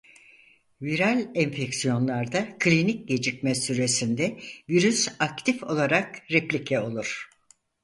Viral enfeksiyonlarda klinik gecikme süresinde virüs aktif olarak replike olur.